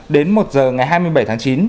đến một giờ ngày hai mươi bảy tháng chín